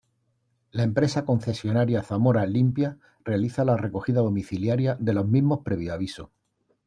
La empresa concesionaria Zamora Limpia realiza la recogida domiciliaria de los mismos previo aviso.